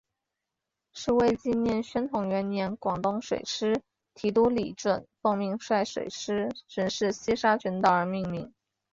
是为纪念宣统元年广东水师提督李准奉命率水师巡视西沙群岛而命名。